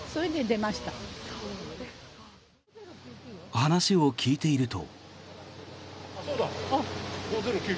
話を聞いていると。